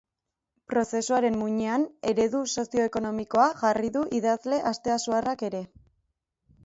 Prozesuaren muinean eredu sozioekonomikoa jarri du idazle asteasuarrak ere.